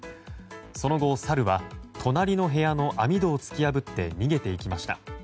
その後、サルは隣の部屋の網戸を突き破って逃げていきました。